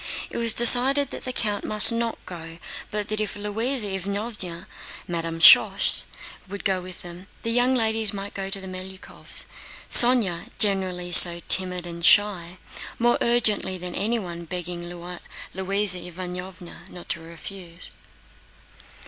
It was decided that the count must not go, but that if Louisa Ivánovna (Madame Schoss) would go with them, the young ladies might go to the Melyukóvs', Sónya, generally so timid and shy, more urgently than anyone begging Louisa Ivánovna not to refuse.